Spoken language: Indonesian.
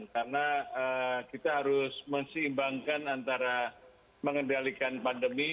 karena kita harus masih imbangkan antara mengendalikan pandemi